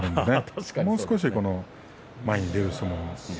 もう少し前に出る相撲ですね。